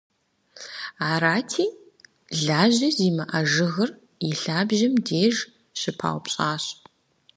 Арати, лажьэ зимыӏэ жыгыр и лъабжьэм деж щыпаупщӏащ.